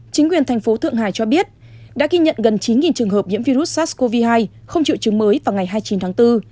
chính quyền thành phố thượng hải cho biết đã ghi nhận gần chín trường hợp nhiễm virus sars cov hai không triệu chứng mới vào ngày hai mươi chín tháng bốn